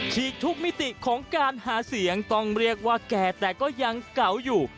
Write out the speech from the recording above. อีกทุกมิติของการหาเสียงต้องเรียกว่าแก่แต่ก็ยังเก่าอยู่